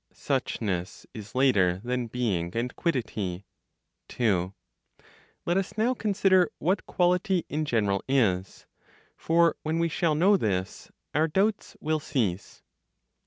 SUCHNESS IS LATER THAN BEING AND QUIDDITY. 2. Let us now consider what quality in general is; for when we shall know this, our doubts will cease.